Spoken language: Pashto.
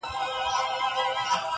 د قسمت کارونه ګوره بوډا جوړ سو٫